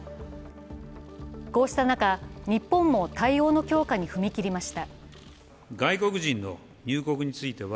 こうした中、日本も対応の強化に踏み切りました。